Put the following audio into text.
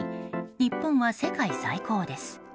日本は世界最高です。